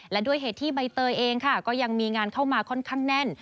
และด้วยเหตุที่ใบเตยเองค่ะก็ยังมีงานเข้ามาค่อนข้างแน่น